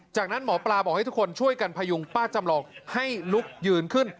จากนั้นหมอปลาบอกให้ทุกคนช่วยกันพยุงป้าจำลองให้ลุกยืนขึ้น